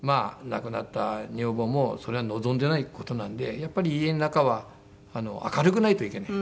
亡くなった女房もそれは望んでない事なんでやっぱり家の中は明るくないといけない。